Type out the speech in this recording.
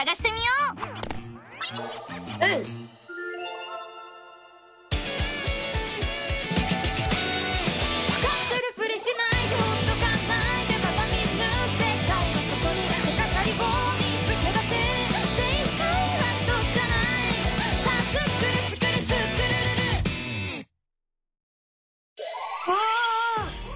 うわ！